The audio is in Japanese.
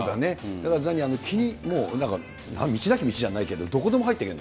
だからザニー、道なき道じゃないけど、どこでも入っていける。